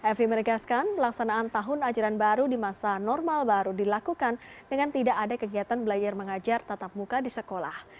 evi meregaskan pelaksanaan tahun ajaran baru di masa normal baru dilakukan dengan tidak ada kegiatan belajar mengajar tatap muka di sekolah